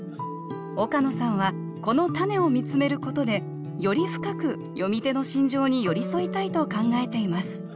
岡野さんはこの「たね」を見つめることでより深く詠み手の心情に寄り添いたいと考えています